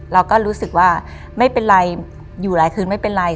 เราก็รู้สึกว่าไม่เป็นไรอยู่หลายคืนไม่เป็นไร